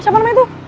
siapa namanya tuh